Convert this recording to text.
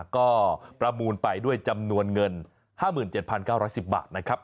ก็ประมูลไปด้วยจำนวนเงิน๕๗๙๑๐บาทนะครับ